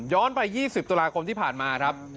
ย้อนไป๒๐ตุลาคมที่ผ่านมา